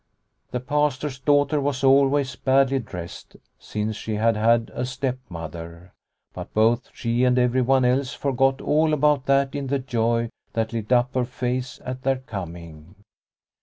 The Pastor's daughter was always badly dressed since she had had a stepmother. But both she and everyone else forgot all about that in the joy that lit up her face at their coming.